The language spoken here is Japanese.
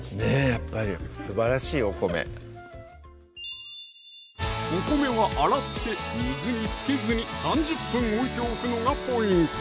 やっぱりすばらしいお米お米は洗って水につけずに３０分置いておくのがポイント